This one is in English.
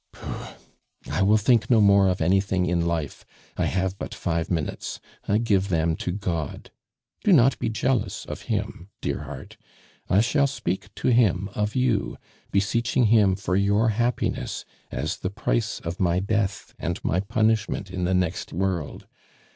Pooh! I will think no more of anything in life; I have but five minutes, I give them to God. Do not be jealous of Him, dear heart; I shall speak to Him of you, beseeching Him for your happiness as the price of my death, and my punishment in the next world.